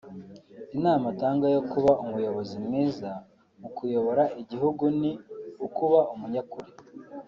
Inama atanga yo kuba umuyobozi mwiza mu kuyobora igihugu ni “Ukuba umunyakuri